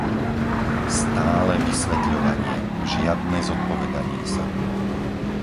Stále vysvetľovanie, žiadne zodpovedanie sa.